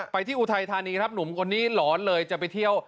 ที่อุทัยธานีครับหนุ่มคนนี้หลอนเลยจะไปเที่ยว